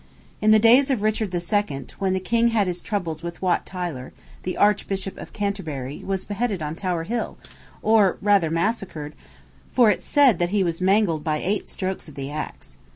In the days of Richard II., when the king had his troubles with Wat Tyler, the Archbishop of Canterbury was beheaded on Tower Hill, or, rather, massacred, for it said that he was mangled by eight strokes of the axe.